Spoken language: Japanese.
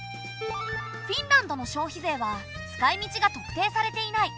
フィンランドの消費税は使いみちが特定されていない。